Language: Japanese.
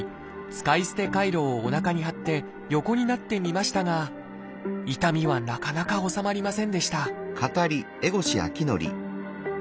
使い捨てカイロをおなかに貼って横になってみましたが痛みはなかなか治まりませんでした